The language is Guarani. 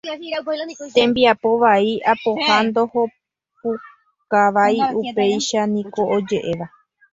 Tembiapo vai apoha ndohopukúvai, upéicha niko oje'éva.